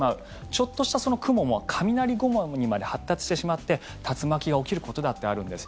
ちょっとした雲も雷雲にまで発達してしまって竜巻が起きることだってあるんです。